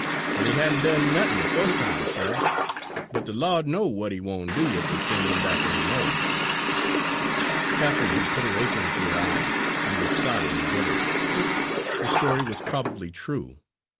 An' he hadn' done nothin' de fus' time, suh, but de Lawd know w'at he won' do ef dey sen's 'im back any mo'." Catharine had put her apron to her eyes and was sobbing bitterly. The story was probably true.